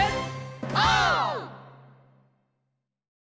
オー！